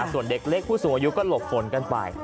ส่วนเด็กเล็กผู้สูงอายุก็หลบฝนกันไป